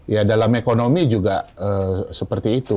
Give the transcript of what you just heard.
ya dalam ekonomi juga seperti itu